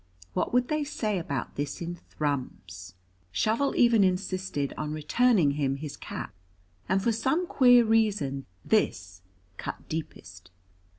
What would they say about this in Thrums? Shovel even insisted on returning him his cap, and for some queer reason, this cut deepest.